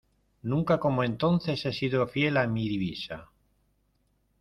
nunca como entonces he sido fiel a mi divisa: